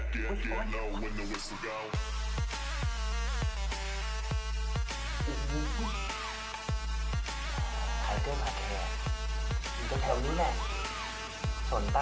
ไทเกอร์มาแคลร์อยู่กันแถวนี้แหละชนปะ